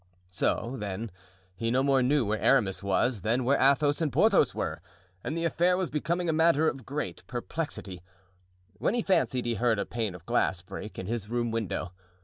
So, then, he no more knew where Aramis was than where Athos and Porthos were, and the affair was becoming a matter of great perplexity, when he fancied he heard a pane of glass break in his room window.